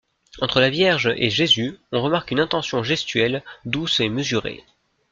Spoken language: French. Entre la Vierge et Jésus on remarque une intention gestuelle douce et mesurée.